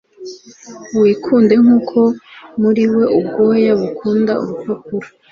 Wikunde nkuko muri we ubwoya bukunda urupapuro